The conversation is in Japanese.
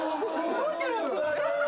動いてる！